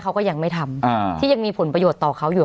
เขาก็ยังไม่ทำที่ยังมีผลประโยชน์ต่อเขาอยู่